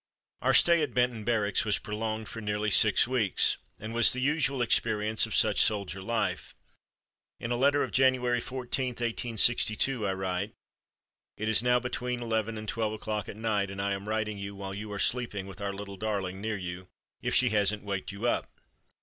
Our stay at Benton Barracks was prolonged for nearly six weeks, and was the usual experience of such soldier life. In a letter of January 14, 1862, I write: "It is now between eleven and twelve o'clock at night, and I am writing you while you are sleeping with our little darling near you, if she hasn't waked you up!